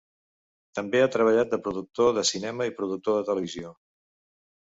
També ha treballat de productor de cinema i productor de televisió.